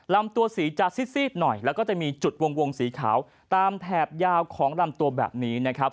ลำตัวสีจะซีดหน่อยแล้วก็จะมีจุดวงสีขาวตามแถบยาวของลำตัวแบบนี้นะครับ